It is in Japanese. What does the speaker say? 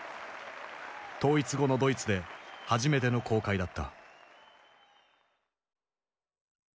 統一後のドイツで初めての公開だった。